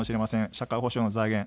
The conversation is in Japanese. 社会保障の財源。